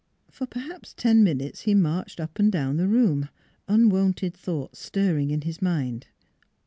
For perhaps ten minutes he marched up and down the room, unwonted thoughts stirring in his mind.